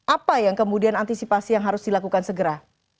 apa yang kemudian antisipasi yang harus dilakukan segera